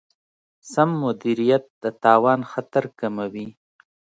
سم مدیریت د تاوان خطر کموي.